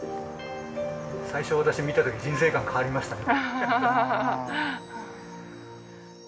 最初私見た時人生観変わりましたね。